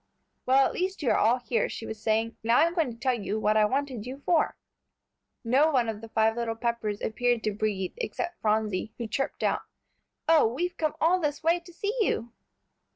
"Well, at last you are all here," she was saying; "now I'm going to tell you what I wanted you for." No one of the five little Peppers appeared to breathe, except Phronsie, who chirped out, "Oh, we've come all this way to see you!"